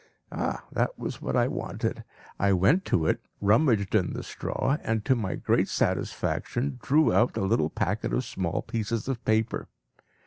Ah! that was what I wanted. I went to it, rummaged in the straw, and to my great satisfaction drew out a little packet of small pieces of paper.